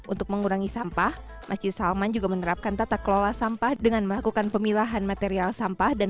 untuk mengurangi sampah masjid salman juga menerapkan tata kelola sampah dengan melakukan pemilahan material sampah dan